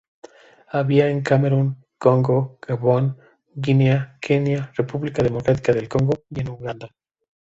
Habita en Camerún, Congo, Gabón, Guinea, Kenia, República Democrática del Congo y en Uganda.